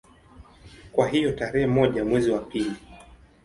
Kwa hiyo tarehe moja mwezi wa pili